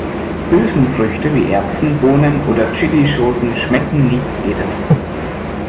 Hülsenfrüchte wie Erbsen, Bohnen oder Chillischoten schmecken nicht jedem.